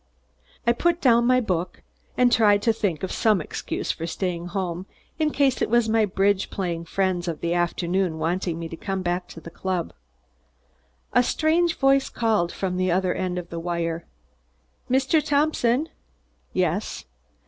I put down my book and tried to think of some excuse for staying home, in case it was my bridge playing friends of the afternoon wanting me to come back to the club. A strange voice called from the other end of the wire. "Mr. Thompson?" "Yes."